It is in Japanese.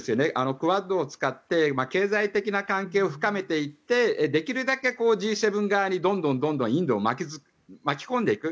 クアッドを使って経済的な関係を深めていってできるだけＧ７側にどんどんインドを巻き込んでいく。